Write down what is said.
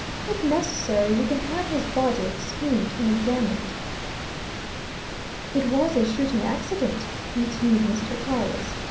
If necessary, we can have his body exhumed and examined." "It was a shooting accident," continued Mr. Carless.